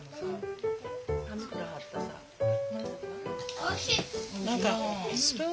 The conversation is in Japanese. おいしい。